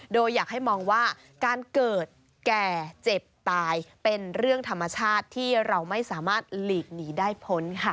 โดยอยากให้มองว่าการเกิดแก่เจ็บตายเป็นเรื่องธรรมชาติที่เราไม่สามารถหลีกหนีได้พ้นค่ะ